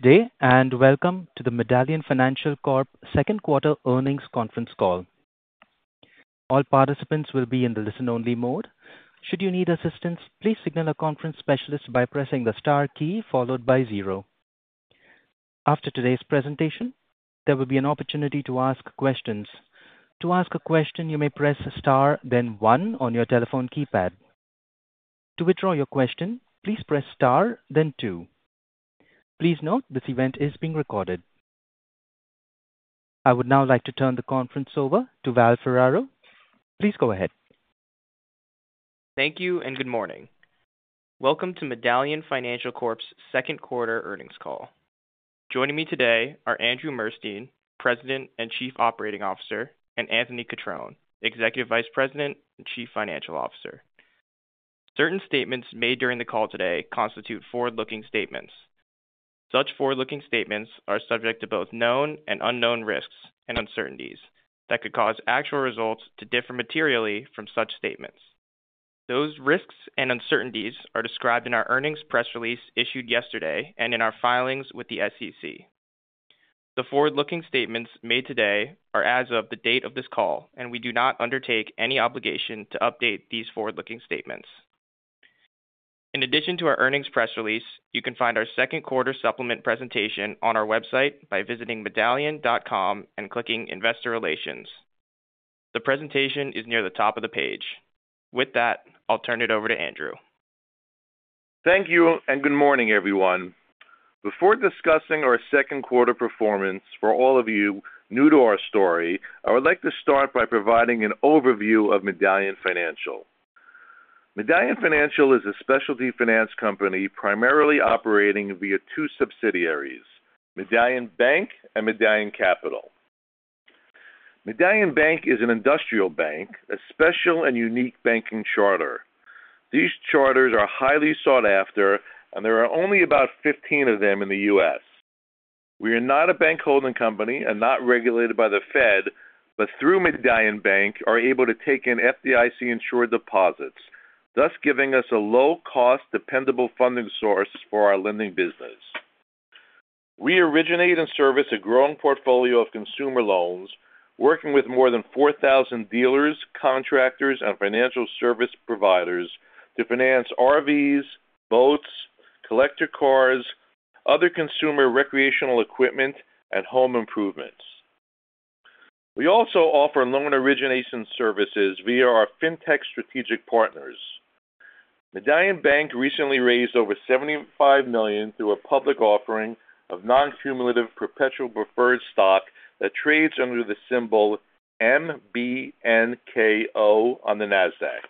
Good day and welcome to the Medallion Financial Corp. second quarter earnings conference call. All participants will be in the listen-only mode. Should you need assistance, please signal a conference specialist by pressing the star key followed by zero. After today's presentation, there will be an opportunity to ask questions. To ask a question, you may press star then one on your telephone keypad. To withdraw your question, please press star then two. Please note this event is being recorded. I would now like to turn the conference over to Val Ferraro. Please go ahead. Thank you and good morning. Welcome to Medallion Financial Corp.'s second quarter earnings call. Joining me today are Andrew Murstein, President and Chief Operating Officer, and Anthony Cutrone, Executive Vice President and Chief Financial Officer. Certain statements made during the call today constitute forward-looking statements. Such forward-looking statements are subject to both known and unknown risks and uncertainties that could cause actual results to differ materially from such statements. Those risks and uncertainties are described in our earnings press release issued yesterday and in our filings with the SEC. The forward-looking statements made today are as of the date of this call, and we do not undertake any obligation to update these forward-looking statements. In addition to our earnings press release, you can find our second quarter supplement presentation on our website by visiting medallion.com and clicking Investor Relations. The presentation is near the top of the page. With that, I'll turn it over to Andrew. Thank you and good morning, everyone. Before discussing our second quarter performance, for all of you new to our story, I would like to start by providing an overview of Medallion Financial. Medallion Financial is a specialty finance company primarily operating via two subsidiaries: Medallion Bank and Medallion Capital. Medallion Bank is an industrial bank, a special and unique banking charter. These charters are highly sought after, and there are only about 15 of them in the U.S. We are not a bank holding company and not regulated by the Fed, but through Medallion Bank, we are able to take in FDIC-insured deposits, thus giving us a low-cost, dependable funding source for our lending business. We originate and service a growing portfolio of consumer loans, working with more than 4,000 dealers, contractors, and financial service providers to finance RVs, boats, collector cars, other consumer recreational equipment, and home improvements. We also offer loan origination services via our fintech partners in our strategic partnership program. Medallion Bank recently raised over $75 million through a public offering of non-cumulative perpetual preferred stock that trades under the symbol MBNKO on NASDAQ.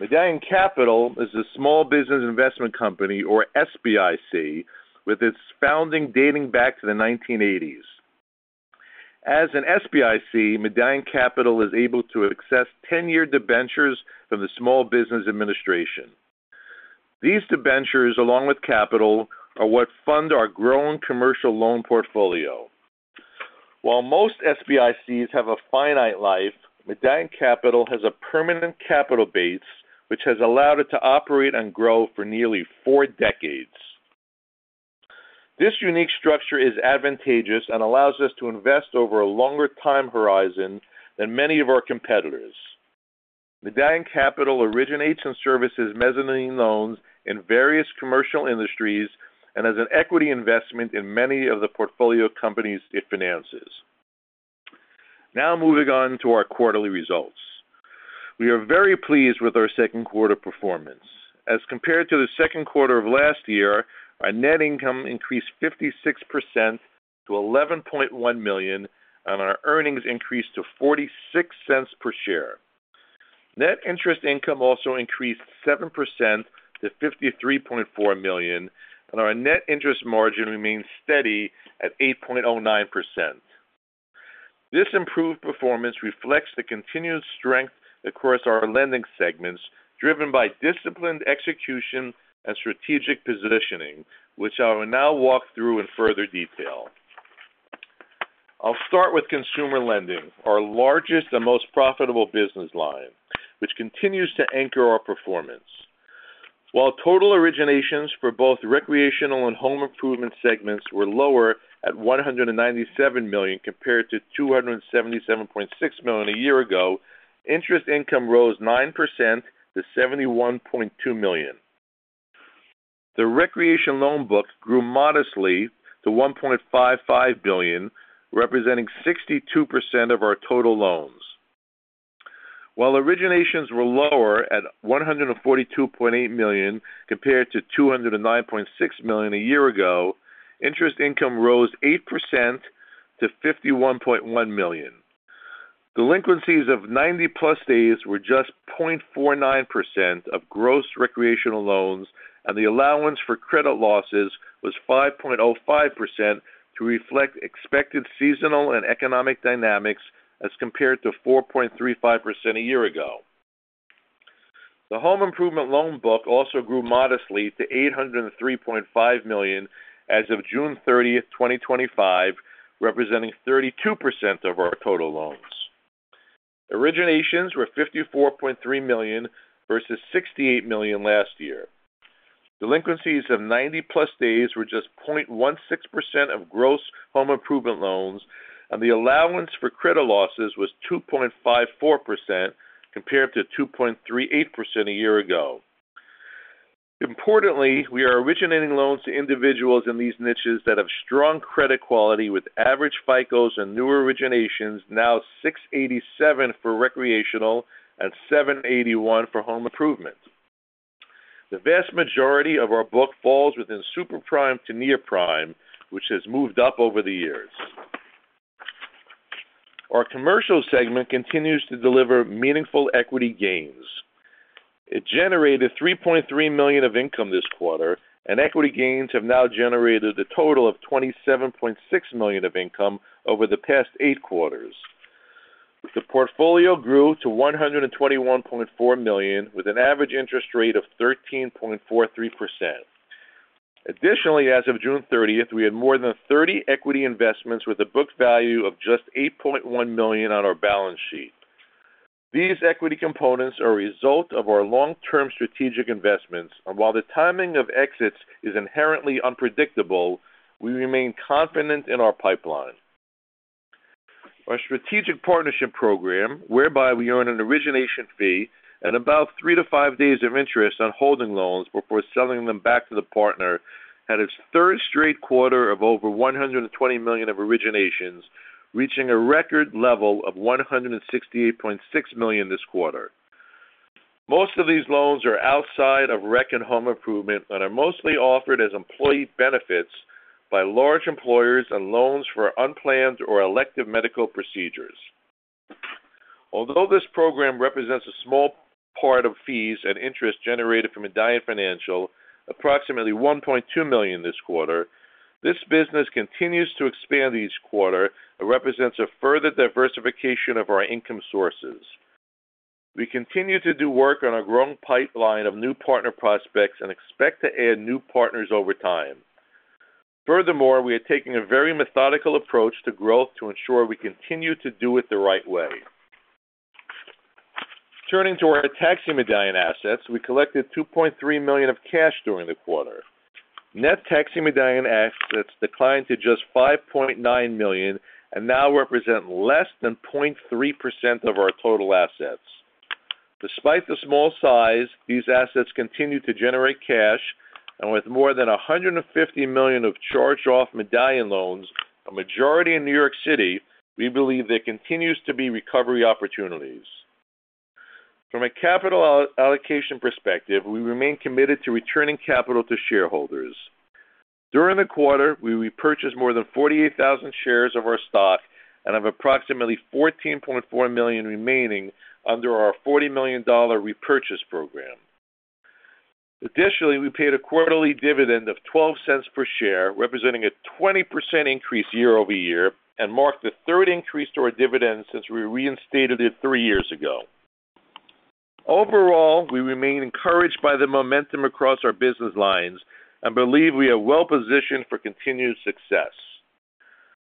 Medallion Capital is a Small Business Investment Company, or SBIC, with its founding dating back to the 1980s. As an SBIC, Medallion Capital is able to access 10-year debentures from the Small Business Administration. These debentures, along with capital, are what fund our growing commercial loan portfolio. While most SBICs have a finite life, Medallion Capital has a permanent capital base, which has allowed it to operate and grow for nearly four decades. This unique structure is advantageous and allows us to invest over a longer time horizon than many of our competitors. Medallion Capital originates and services mezzanine loans in various commercial industries and is an equity investment in many of the portfolio companies it finances. Now moving on to our quarterly results. We are very pleased with our second quarter performance. As compared to the second quarter of last year, our net income increased 56% to $11.1 million, and our earnings increased to $0.46 per share. Net interest income also increased 7% to $53.4 million, and our net interest margin remains steady at 8.09%. This improved performance reflects the continued strength across our lending segments, driven by disciplined execution and strategic positioning, which I will now walk through in further detail. I'll start with consumer lending, our largest and most profitable business line, which continues to anchor our performance. While total originations for both recreation and home improvement segments were lower at $197 million compared to $277.6 million a year ago, interest income rose 9% to $71.2 million. The recreation loan books grew modestly to $1.55 billion, representing 62% of our total loans. While originations were lower at $142.8 million compared to $209.6 million a year ago, interest income rose 8% to $51.1 million. Delinquencies of 90-plus days were just 0.49% of gross recreation loans, and the allowance for credit losses was 5.05% to reflect expected seasonal and economic dynamics as compared to 4.35% a year ago. The home improvement loan book also grew modestly to $803.5 million as of June 30, 2025, representing 32% of our total loans. Originations were $54.3 million versus $68 million last year. Delinquencies of 90-plus days were just 0.16% of gross home improvement loans, and the allowance for credit losses was 2.54% compared to 2.38% a year ago. Importantly, we are originating loans to individuals in these niches that have strong credit quality, with average FICOs in new originations now $687 for recreation and $781 for home improvement. The vast majority of our book falls within superprime to near prime, which has moved up over the years. Our commercial segment continues to deliver meaningful equity gains. It generated $3.3 million of income this quarter, and equity gains have now generated a total of $27.6 million of income over the past eight quarters. The portfolio grew to $121.4 million with an average interest rate of 13.43%. Additionally, as of June 30, we had more than 30 equity investments with a book value of just $8.1 million on our balance sheet. These equity components are a result of our long-term strategic investments, and while the timing of exits is inherently unpredictable, we remain confident in our pipeline. Our strategic partnership program, whereby we earn an origination fee and about three to five days of interest on holding loans before selling them back to the partner, had its third straight quarter of over $120 million of originations, reaching a record level of $168.6 million this quarter. Most of these loans are outside of recreation and home improvement and are mostly offered as employee benefits by large employers and loans for unplanned or elective medical procedures. Although this program represents a small part of fees and interest generated from Medallion Financial approximately $1.2 million this quarter, this business continues to expand each quarter and represents a further diversification of our income sources. We continue to do work on our growing pipeline of new partner prospects and expect to add new partners over time. Furthermore, we are taking a very methodical approach to growth to ensure we continue to do it the right way. Turning to our taxi Medallion assets, we collected $2.3 million of cash during the quarter. Net taxi Medallion assets declined to just $5.9 million and now represent less than 0.3% of our total assets. Despite the small size, these assets continue to generate cash, and with more than $150 million of charged-off Medallion loans, a majority in New York City, we believe there continues to be recovery opportunities. From a capital allocation perspective, we remain committed to returning capital to shareholders. During the quarter, we repurchased more than 48,000 shares of our stock and have approximately $14.4 million remaining under our $40 million repurchase program. Additionally, we paid a quarterly dividend of $0.12 per share, representing a 20% increase year over year, and marked the third increase to our dividends since we reinstated it three years ago. Overall, we remain encouraged by the momentum across our business lines and believe we are well positioned for continued success.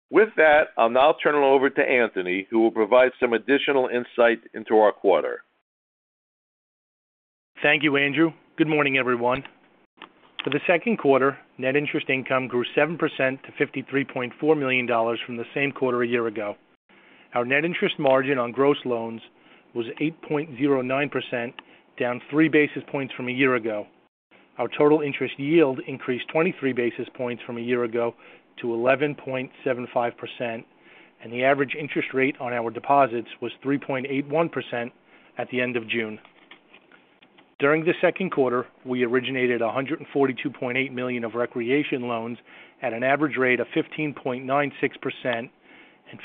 With that, I'll now turn it over to Anthony, who will provide some additional insight into our quarter. Thank you, Andrew. Good morning, everyone. For the second quarter, net interest income grew 7% to $53.4 million from the same quarter a year ago. Our net interest margin on gross loans was 8.09%, down three basis points from a year ago. Our total interest yield increased 23 basis points from a year ago to 11.75%, and the average interest rate on our deposits was 3.81% at the end of June. During the second quarter, we originated $142.8 million of recreation loans at an average rate of 15.96% and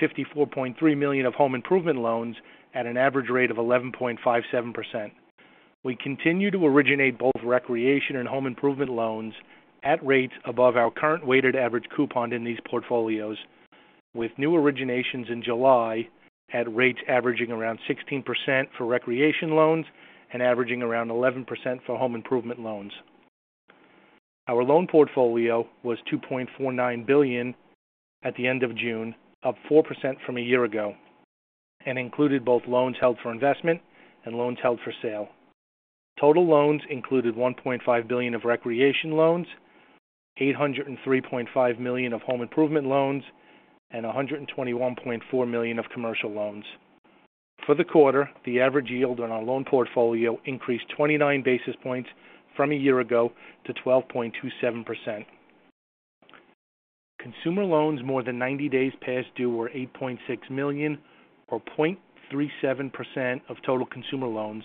$54.3 million of home improvement loans at an average rate of 11.57%. We continue to originate both recreation and home improvement loans at rates above our current weighted average coupon in these portfolios, with new originations in July at rates averaging around 16% for recreation loans and averaging around 11% for home improvement loans. Our loan portfolio was $2.49 billion at the end of June, up 4% from a year ago, and included both loans held for investment and loans held for sale. Total loans included $1.5 billion of recreation loans, $803.5 million of home improvement loans, and $121.4 million of commercial loans. For the quarter, the average yield on our loan portfolio increased 29 basis points from a year ago to 12.27%. Consumer loans more than 90 days past due were $8.6 million, or 0.37% of total consumer loans,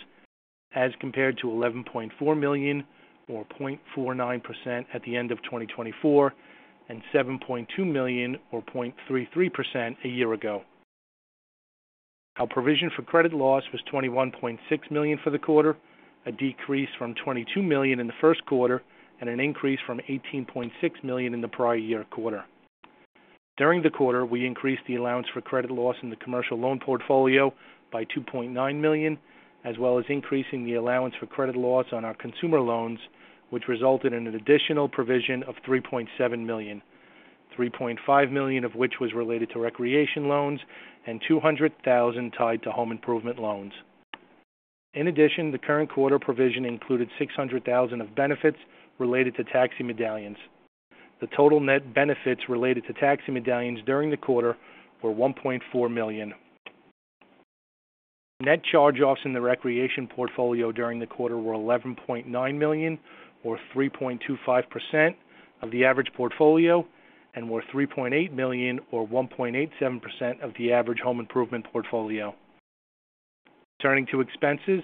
as compared to $11.4 million, or 0.49% at the end of 2024, and $7.2 million, or 0.33% a year ago. Our provision for credit loss was $21.6 million for the quarter, a decrease from $22 million in the first quarter and an increase from $18.6 million in the prior year quarter. During the quarter, we increased the allowance for credit loss in the commercial loan portfolio by $2.9 million, as well as increasing the allowance for credit loss on our consumer loans, which resulted in an additional provision of $3.7 million, $3.5 million of which was related to recreation loans and $0.2 million tied to home improvement loans. In addition, the current quarter provision included $0.6 million of benefits related to taxi Medallions. The total net benefits related to taxi Medallions during the quarter were $1.4 million. Net charge-offs in the recreation portfolio during the quarter were $11.9 million, or 3.25% of the average portfolio, and were $3.8 million, or 1.87% of the average home improvement portfolio. Turning to expenses,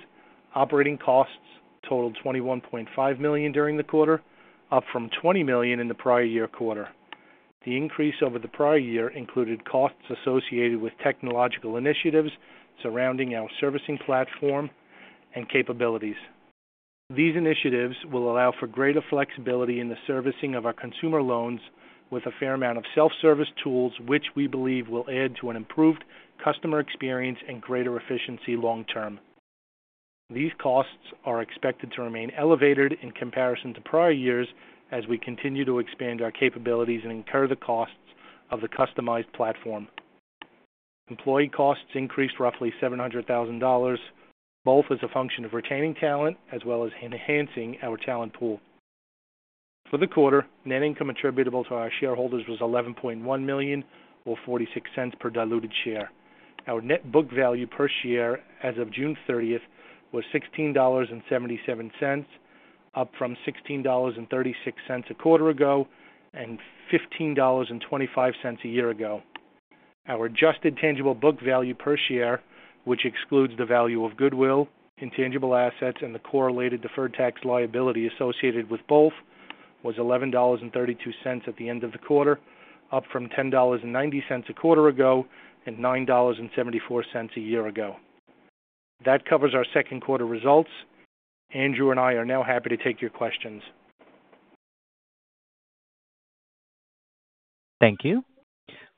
operating costs totaled $21.5 million during the quarter, up from $20 million in the prior year quarter. The increase over the prior year included costs associated with technological initiatives surrounding our servicing platform and capabilities. These initiatives will allow for greater flexibility in the servicing of our consumer loans with a fair amount of self-service tools, which we believe will add to an improved customer experience and greater efficiency long term. These costs are expected to remain elevated in comparison to prior years as we continue to expand our capabilities and incur the costs of the customized platform. Employee costs increased roughly $700,000, both as a function of retaining talent as well as enhancing our talent pool. For the quarter, net income attributable to our shareholders was $11.1 million, or $0.46 per diluted share. Our net book value per share as of June 30 was $16.77, up from $16.36 a quarter ago and $15.25 a year ago. Our adjusted tangible book value per share, which excludes the value of goodwill, intangible assets, and the correlated deferred tax liability associated with both, was $11.32 at the end of the quarter, up from $10.90 a quarter ago and $9.74 a year ago. That covers our second quarter results. Andrew and I are now happy to take your questions. Thank you.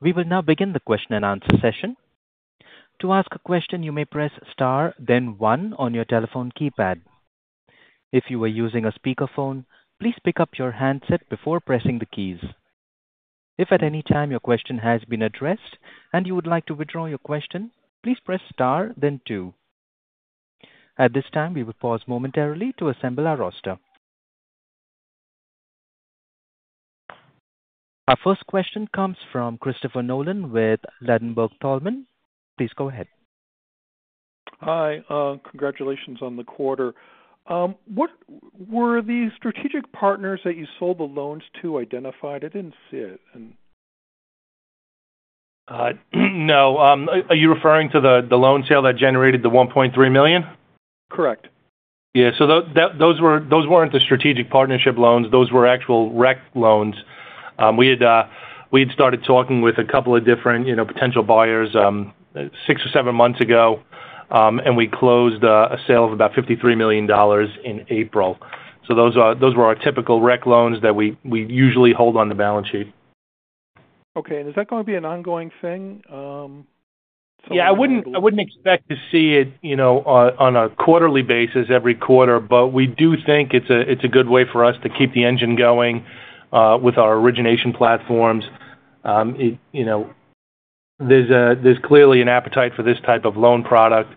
We will now begin the question and answer session. To ask a question, you may press star, then one on your telephone keypad. If you are using a speakerphone, please pick up your handset before pressing the keys. If at any time your question has been addressed and you would like to withdraw your question, please press star, then two. At this time, we will pause momentarily to assemble our roster. Our first question comes from Christopher Nolan with Ladenburg Thalmann. Please go ahead. Hi. Congratulations on the quarter. What were the strategic partners that you sold the loans to identified? I didn't see it. No. Are you referring to the loan sale that generated the $1.3 million? Correct. Those weren't the strategic partnership loans. Those were actual recreation loans. We had started talking with a couple of different potential buyers six or seven months ago, and we closed a sale of about $53 million in April. Those were our typical recreation loans that we usually hold on the balance sheet. Okay. Is that going to be an ongoing thing? Yeah. I wouldn't expect to see it on a quarterly basis every quarter, but we do think it's a good way for us to keep the engine going with our origination platforms. There's clearly an appetite for this type of loan product,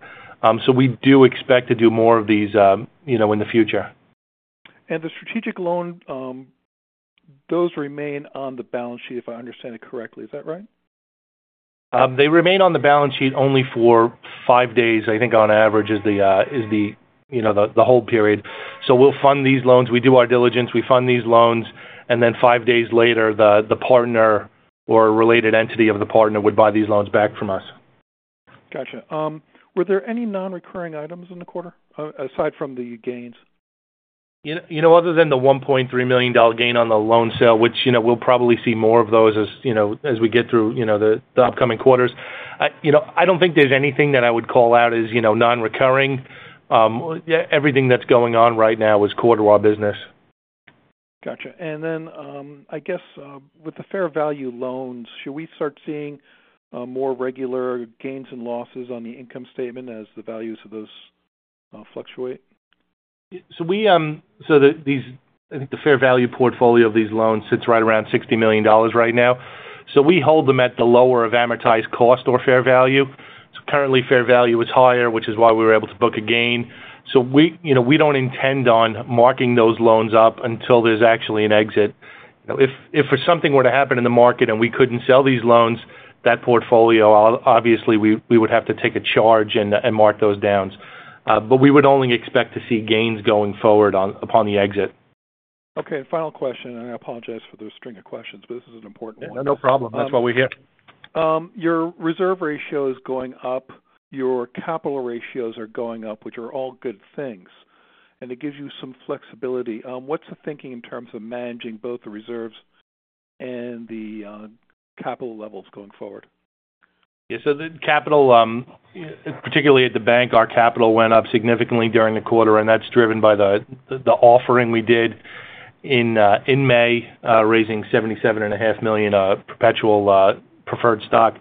so we do expect to do more of these in the future. The strategic loan, those remain on the balance sheet, if I understand it correctly. Is that right? They remain on the balance sheet only for five days. I think on average is the hold period. We fund these loans, we do our diligence, we fund these loans, and then five days later, the partner or a related entity of the partner would buy these loans back from us. Gotcha. Were there any non-recurring items in the quarter, aside from the gains? Other than the $1.3 million gain on the loan sale, which we'll probably see more of as we get through the upcoming quarters, I don't think there's anything that I would call out as non-recurring. Everything that's going on right now is part of our business. Gotcha. I guess with the fair value loans, should we start seeing more regular gains and losses on the income statement as the values of those fluctuate? I think the fair value portfolio of these loans sits right around $60 million right now. We hold them at the lower of amortized cost or fair value. Currently, fair value is higher, which is why we were able to book a gain. We don't intend on marking those loans up until there's actually an exit. If something were to happen in the market and we couldn't sell these loans, that portfolio, obviously, we would have to take a charge and mark those down. We would only expect to see gains going forward upon the exit. Okay. Final question. I apologize for the string of questions, but this is an important one. No problem. That's why we're here. Your reserve ratio is going up. Your capital ratios are going up, which are all good things. It gives you some flexibility. What's the thinking in terms of managing both the reserves and the capital levels going forward? Yeah. The capital, particularly at the bank, our capital went up significantly during the quarter, and that's driven by the offering we did in May, raising $77.5 million perpetual preferred stock.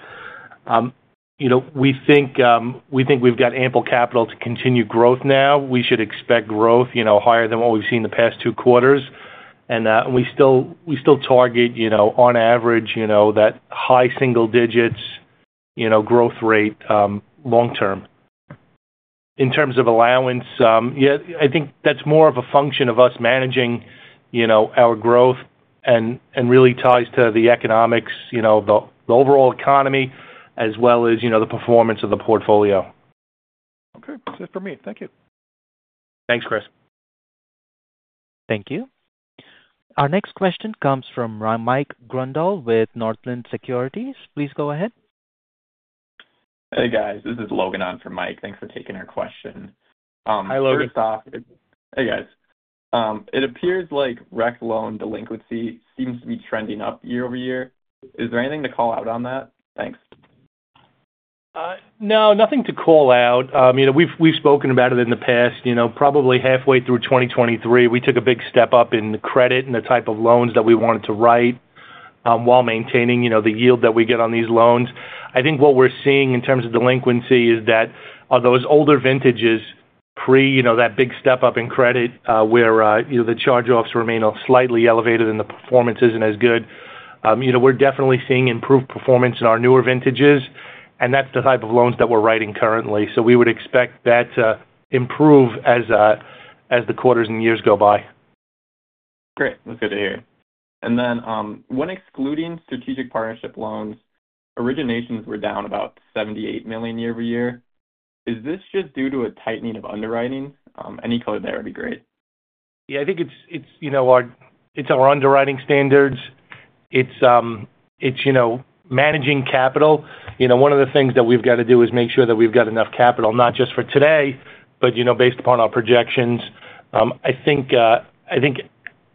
We think we've got ample capital to continue growth now. We should expect growth higher than what we've seen the past two quarters. We still target, on average, that high single-digit growth rate long term. In terms of allowance, I think that's more of a function of us managing our growth and really ties to the economics, the overall economy, as well as the performance of the portfolio. Okay. Safe for me. Thank you. Thanks, Chris. Thank you. Our next question comes from Mike Grondahl with Northland Securities. Please go ahead. Hey, guys. This is Logan on for Mike. Thanks for taking our question. Hi, Logan. First off, hey, guys. It appears like recreation loan delinquency seems to be trending up year over year. Is there anything to call out on that? Thanks. No, nothing to call out. We've spoken about it in the past. Probably halfway through 2023, we took a big step up in the credit and the type of loans that we wanted to write while maintaining the yield that we get on these loans. I think what we're seeing in terms of delinquency is that those older vintages, pre that big step up in credit, where the charge-offs remain slightly elevated and the performance isn't as good, we're definitely seeing improved performance in our newer vintages. That's the type of loans that we're writing currently. We would expect that to improve as the quarters and years go by. Great. That's good to hear. When excluding strategic partnership loans, originations were down about $78 million year over year. Is this just due to a tightening of underwriting? Any clue there would be great. I think it's our underwriting standards. It's managing capital. One of the things that we've got to do is make sure that we've got enough capital, not just for today, but based upon our projections. I think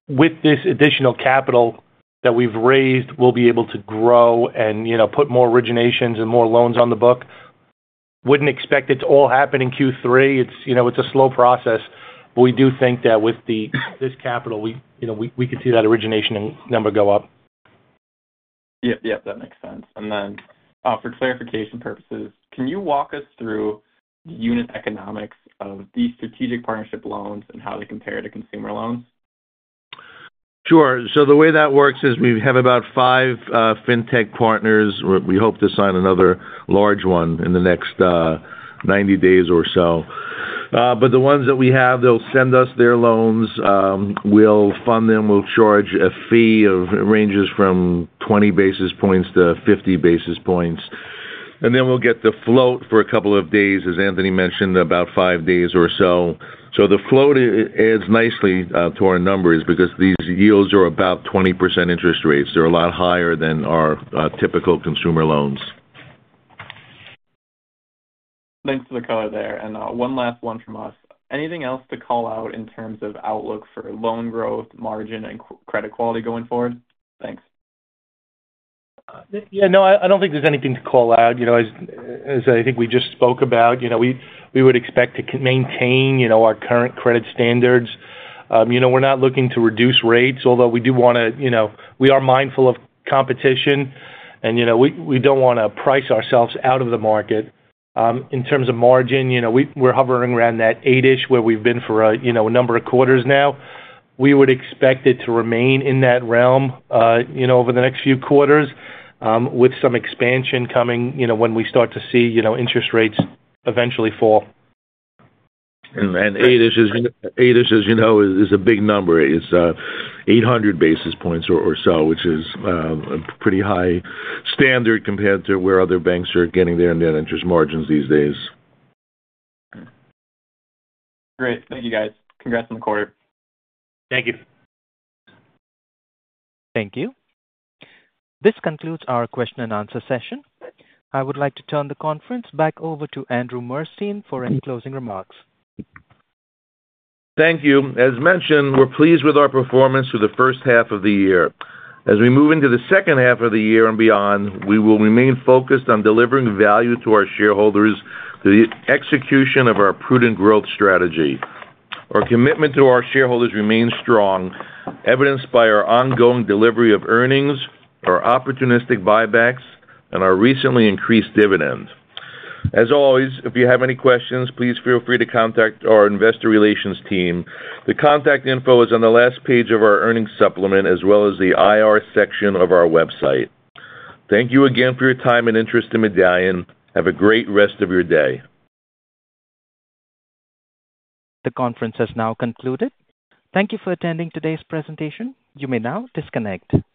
with this additional capital that we've raised, we'll be able to grow and put more originations and more loans on the book. I wouldn't expect it to all happen in Q3. It's a slow process. We do think that with this capital, we could see that origination number go up. That makes sense. For clarification purposes, can you walk us through the unit economics of these strategic partnership loans and how they compare to consumer loans? Sure. The way that works is we have about five fintech partners. We hope to sign another large one in the next 90 days or so. The ones that we have, they'll send us their loans. We'll fund them. We'll charge a fee of it ranges from 20 bps to 50 bps. We'll get the float for a couple of days, as Anthony mentioned, about five days or so. The float adds nicely to our numbers because these yields are about 20% interest rates. They're a lot higher than our typical consumer loans. Thanks for the color there. One last one from us. Anything else to call out in terms of outlook for loan growth, margin, and credit quality going forward? Thanks. No, I don't think there's anything to call out. As I think we just spoke about, we would expect to maintain our current credit standards. We're not looking to reduce rates, although we do want to, we are mindful of competition. We don't want to price ourselves out of the market. In terms of margin, we're hovering around that eight-ish where we've been for a number of quarters now. We would expect it to remain in that realm over the next few quarters with some expansion coming when we start to see interest rates eventually fall. Eight-ish, as you know, is a big number. It's 800 basis points or so, which is a pretty high standard compared to where other banks are getting their net interest margins these days. Great. Thank you, guys. Congrats on the quarter. Thank you. Thank you. This concludes our question and answer session. I would like to turn the conference back over to Andrew Murstein for any closing remarks. Thank you. As mentioned, we're pleased with our performance for the first half of the year. As we move into the second half of the year and beyond, we will remain focused on delivering value to our shareholders through the execution of our prudent growth strategy. Our commitment to our shareholders remains strong, evidenced by our ongoing delivery of earnings, our opportunistic buybacks, and our recently increased dividend. As always, if you have any questions, please feel free to contact our investor relations team. The contact info is on the last page of our earnings supplement, as well as the IR section of our website. Thank you again for your time and interest in Medallion Financial Corp. Have a great rest of your day. The conference has now concluded. Thank you for attending today's presentation. You may now disconnect.